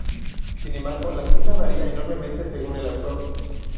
Sin embargo, la cifra varía enormemente según el autor.